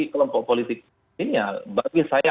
kelompok politik bagi saya